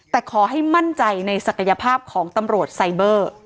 แต่ขอให้มั่นใจในศักยภาพของตำรวจไซเบอร์